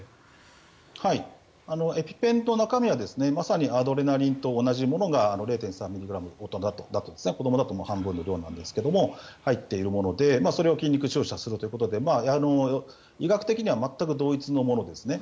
エピペンの中身はまさにアドレナリンと同じものが０．３ｍｇ子どもだと半分ぐらいなんですが入っているものでそれを筋肉注射するということで医学的には全く同一のものですね。